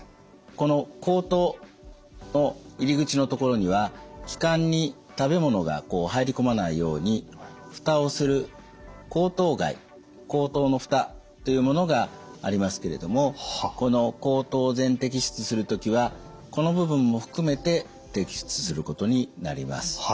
この喉頭の入り口の所には気管に食べ物が入り込まないように蓋をする喉頭蓋喉頭の蓋というものがありますけれどもこの喉頭を全摘出する時はこの部分も含めて摘出することになります。